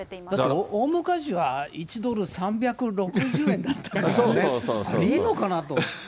だって大昔は、１ドル３６０円だったからね、いいのかなと。